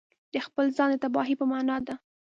د خپل ځان د تباهي په معنا ده.